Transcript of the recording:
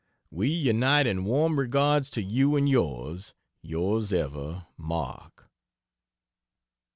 We unite in warm regards to you and yours. Yrs ever, MARK.